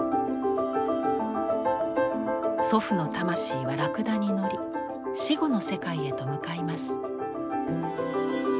祖父の魂はラクダに乗り死後の世界へと向かいます。